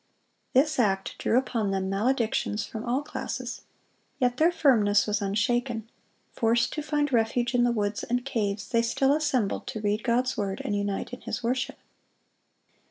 This act drew upon them maledictions from all classes. Yet their firmness was unshaken. Forced to find refuge in the woods and caves, they still assembled to read God's word and unite in His worship.